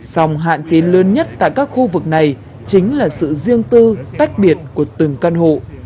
sòng hạn chế lớn nhất tại các khu vực này chính là sự riêng tư tách biệt của từng căn hộ